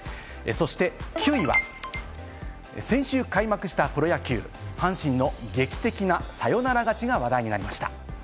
９位は先週開幕したプロ野球、阪神の劇的なサヨナラ勝ちが話題になりました。